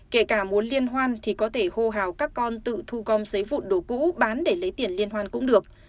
kể cả muốn liên hoan thì có thể hô hào các con tự thu gom giấy vụn đồ cũ bán để lấy tiền liên hoan cũng được